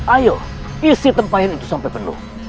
ayo isi tempahin itu sampai penuh